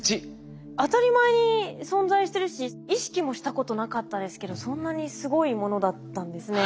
当たり前に存在してるし意識もしたことなかったですけどそんなにすごいものだったんですね。